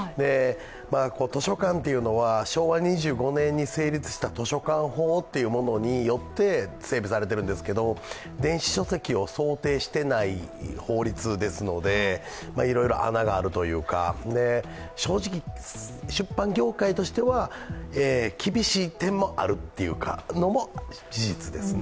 図書館というのは昭和２５年に成立した図書館法というものによって整備されているんですけど、電子書籍を想定していない法律ですので、いろいろ穴があるというか正直、出版業界としては厳しい点もあるのも事実ですね。